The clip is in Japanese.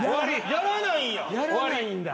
やらないんや。